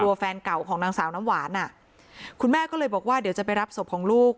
แฟนเก่าของนางสาวน้ำหวานอ่ะคุณแม่ก็เลยบอกว่าเดี๋ยวจะไปรับศพของลูก